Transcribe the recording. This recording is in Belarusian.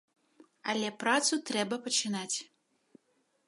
Але працу трэба пачынаць.